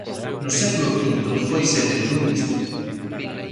No século V foi sede dun bispo.